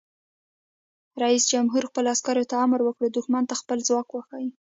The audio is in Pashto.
رئیس جمهور خپلو عسکرو ته امر وکړ؛ دښمن ته خپل ځواک وښایئ!